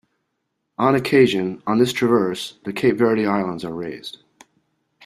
On occasion, on this traverse, the Cape Verde Islands are raised.